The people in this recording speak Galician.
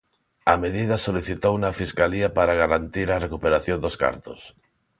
A medida solicitouna a Fiscalía para garantir a recuperación dos cartos.